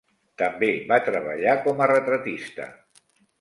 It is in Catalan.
També va treballar com a retratista.